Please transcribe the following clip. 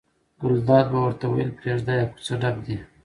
ګلداد به ورته ویل پرېږده یې کوڅه ډب دي.